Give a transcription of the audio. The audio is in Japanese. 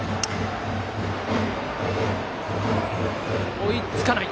追いつかない。